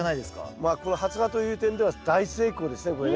まあこの発芽という点では大成功ですねこれね。